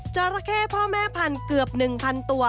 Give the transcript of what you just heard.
จราเข้พ่อแม่พันธุ์เกือบ๑๐๐ตัว